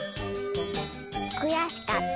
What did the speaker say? くやしかった。